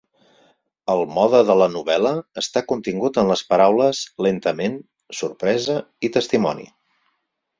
El mode de la novel·la està contingut en les paraules lentament, sorpresa i testimoni.